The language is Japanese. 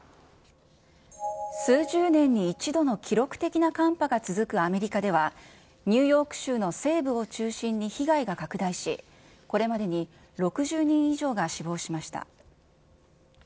数十年に一度の記録的な寒波が続くアメリカでは、ニューヨーク州の西部を中心に被害が拡大しこれまでに６０人以上が死亡しました。